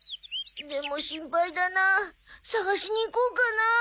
でも心配だなあ探しに行こうかなあ。